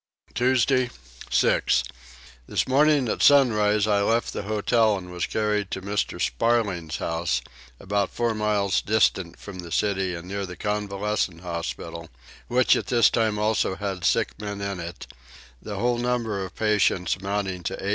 Tuesday 6. This morning at sunrise I left the hotel and was carried to Mr. Sparling's house, about four miles distant from the city and near the convalescent hospital which at this time had also sick men in it, the whole number of patients amounting to 800.